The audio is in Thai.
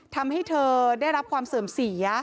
ทำให้เธอได้รับความเสื่อมเสีย